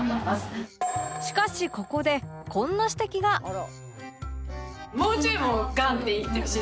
しかしここでこんな指摘が